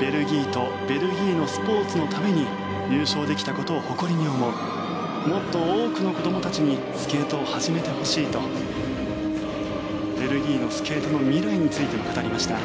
ベルギーとベルギーのスポーツのために優勝できたことを誇りに思うもっと多くの子どもたちにスケートを始めてほしいとベルギーのスケートの未来についても語りました。